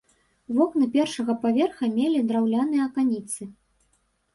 Вокны першага паверха мелі драўляныя аканіцы.